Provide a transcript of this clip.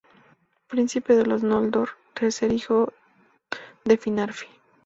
Príncipe de los Noldor, tercer hijo de Finarfin.